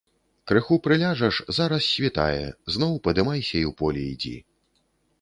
Крыху прыляжаш, зараз світае, зноў падымайся і ў поле ідзі.